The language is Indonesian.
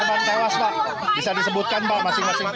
korban tewas pak bisa disebutkan pak masing masing